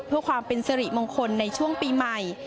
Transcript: เพื่อความเป็นสิริมงคลในช่วงปีใหม่